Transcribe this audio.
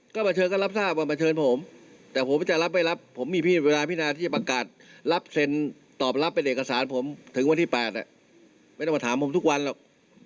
ก็มาเชิญก็รับทราบว่ามาเชิญผมแต่ผมจะรับไม่รับผมมีเวลาพินาที่จะประกาศรับเซ็นตอบรับเป็นเอกสารผมถึงวันที่๘ไม่ต้องมาถามผมทุกวันหรอก